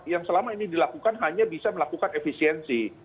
yang selama ini dilakukan hanya bisa melakukan efisiensi